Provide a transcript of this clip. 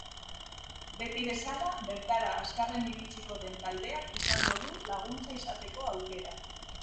Beti bezala, bertara azkarren iritsiko den taldeak izango du laguntza izateko aukera.